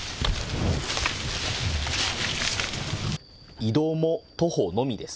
移動も徒歩のみです。